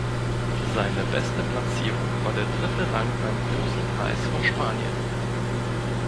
Seine beste Platzierung war der dritte Rang beim Großen Preis von Spanien.